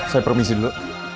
saya permisi dulu